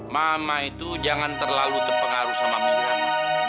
mama itu jangan terlalu terpengaruh sama mira ma